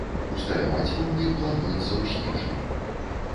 Усталяваць помнік плануецца ў снежні.